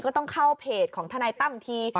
ต้องเข้าเพจของทนายตั้มที